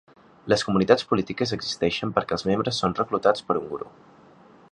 Les comunitats polítiques existeixen perquè els membres són reclutats per un gurú.